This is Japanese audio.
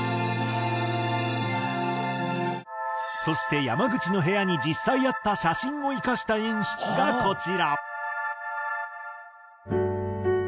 そして山口の部屋に実際あった写真を生かした演出がこちら。